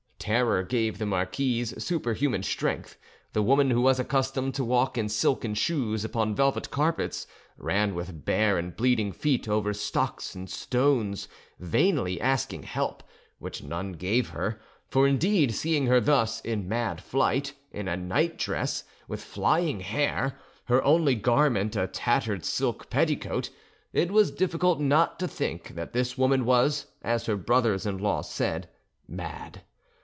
Terror gave the marquise superhuman strength: the woman who was accustomed to walk in silken shoes upon velvet carpets, ran with bare and bleeding feet over stocks and stones, vainly asking help, which none gave her; for, indeed, seeing her thus, in mad flight, in a nightdress, with flying hair, her only garment a tattered silk petticoat, it was difficult not to—think that this woman was, as her brothers in law said, mad.